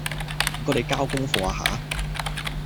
唔該你交功課呀吓